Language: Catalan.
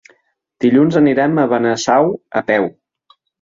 Dilluns anirem a Benasau a peu.